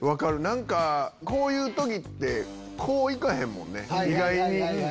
何かこういう時ってこう行かへんもんね意外に。